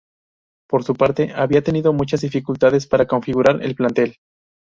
Por su parte, había tenido muchas dificultades para configurar el plantel.